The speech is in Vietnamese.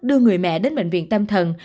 đưa người mẹ đến bệnh viện tâm thần